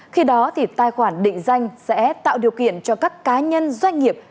khi đó thì tài khoản định danh sẽ tạo điều kiện cho các cá nhân doanh nghiệp